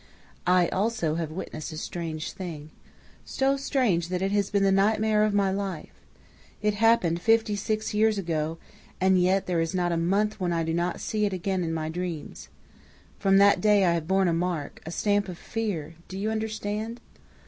"I, also, have witnessed a strange thing so strange that it has been the nightmare of my life. It happened fifty six years ago, and yet there is not a month when I do not see it again in my dreams. From that day I have borne a mark, a stamp of fear, do you understand?